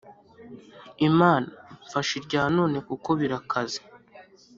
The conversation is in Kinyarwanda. imana mfasha irya none kuko birakaze